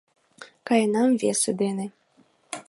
Каенам весе дене